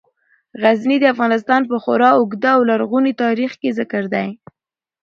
غزني د افغانستان په خورا اوږده او لرغوني تاریخ کې ذکر دی.